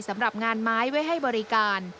สำหรับงานไม้ไว้ให้บริการ